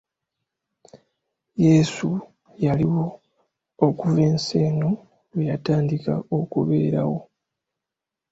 Yeesu yaliwo okuva ensi eno lwe yatandika okubeerawo.